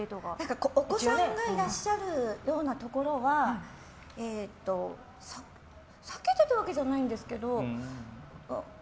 お子さんがいらっしゃるようなところは避けてたわけじゃないんですけど。